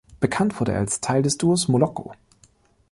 Bekannt wurde er als ein Teil des Duos Moloko.